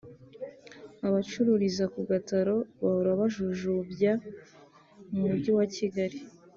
Abacururiza ku gataro bahora bajujumbywa mu Mujyi wa Kigali